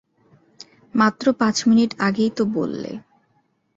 মাত্র পাঁচমিনিট আগেই তো বললে।